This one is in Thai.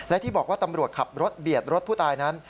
และที่บอกว่าตำรวจขับรถเบียดรถผู้ตายนั้น